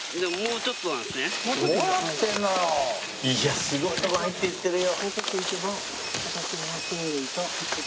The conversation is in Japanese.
いやすごいとこ入っていってるよ。